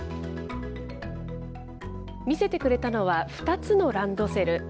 見せてくれたのは、２つのランドセル。